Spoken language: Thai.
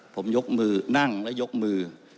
ผมยกมือนั่งและยกมือ